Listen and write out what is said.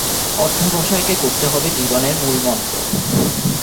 অধ্যবসায়কে করতে হবে জীবনের মূলমন্ত্র।